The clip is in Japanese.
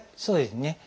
そうですね。